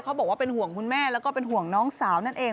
บอกว่าเป็นห่วงคุณแม่แล้วก็เป็นห่วงน้องสาวนั่นเอง